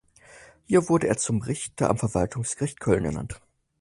Hier wurde er zum Richter am Verwaltungsgericht Köln ernannt.